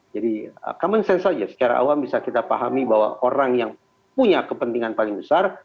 common sense saja secara awam bisa kita pahami bahwa orang yang punya kepentingan paling besar